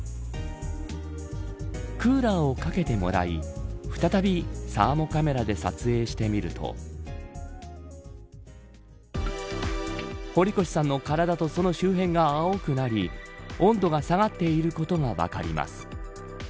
クーラーをかけてもらい再び、サーモカメラで撮影してみると堀越さんの体とその周辺が青くなり温度が下がっていることが分かります。